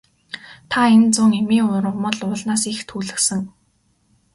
Та энэ зун эмийн ургамал уулнаас их түүлгэсэн.